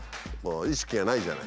意識がないじゃない。